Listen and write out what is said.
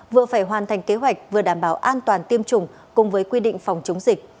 vừa phải hoàn thành kế hoạch vừa đảm bảo an toàn tiêm chủng cùng với quy định phòng chống dịch